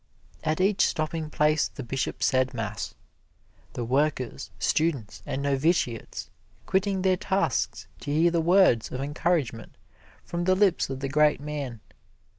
At each stopping place the Bishop said mass the workers, students and novitiates quitting their tasks to hear the words of encouragement from the lips of the great man.